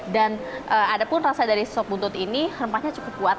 dan ada pun rasa dari sop buntut ini rempahnya cukup kuat